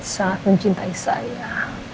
sangat mencintai saya